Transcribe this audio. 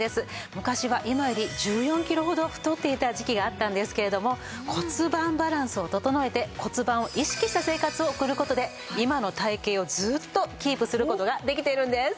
昔は今より１４キロほど太っていた時期があったんですけれども骨盤バランスを整えて骨盤を意識した生活を送る事で今の体形をずっとキープする事ができてるんです。